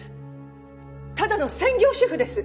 ただの専業主婦です。